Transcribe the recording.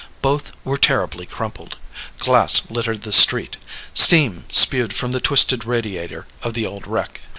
Both were terribly crumpled. Glass littered the street. Steam spewed from the twisted radiator of the old wreck.